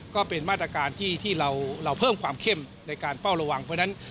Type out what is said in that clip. ก็เป็นมาตรการที่เราเพิ่มความเข้มในการเฝ้าระวัง